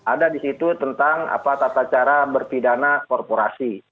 ada di situ tentang tata cara berpidana korporasi